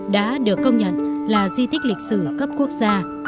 đã được công nhận là di tích lịch sử cấp quốc gia